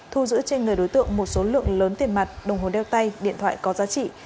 thu giữ trên người đối tượng một số lượng lớn tiền mặt đồng hồ đeo tay điện thoại có giá trị